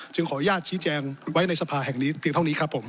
ขออนุญาตชี้แจงไว้ในสภาแห่งนี้เพียงเท่านี้ครับผม